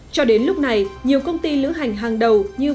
cho đến lúc này nhiều công ty lữ hành hàng đầu như